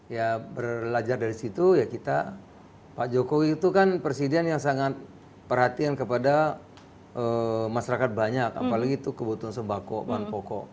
ya belajar dari situ ya kita pak jokowi itu kan presiden yang sangat perhatian kepada masyarakat banyak apalagi itu kebutuhan sembako bahan pokok